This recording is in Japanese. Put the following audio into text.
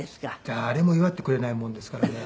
誰も祝ってくれないもんですからね。